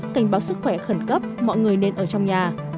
cảnh báo sức khỏe khẩn cấp mọi người nên ở trong nhà